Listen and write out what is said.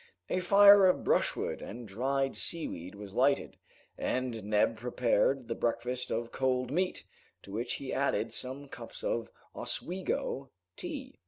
A fire of brushwood and dried seaweed was lighted, and Neb prepared the breakfast of cold meat, to which he added some cups of Oswego tea.